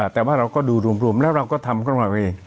แต่ว่าเราก็ดูรวมแล้วเราก็ทำของเราเอง